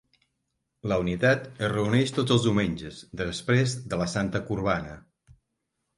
La unitat es reuneix tots els diumenges després de la Santa Qurbana.